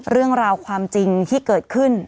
เรื่องราวความจริงที่เกิดขึ้น